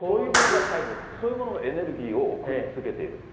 そういうものがエネルギーを送り続けていると。